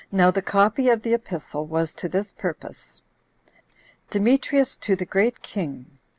Now the copy of the epistle was to this purpose: "Demetrius to the great king.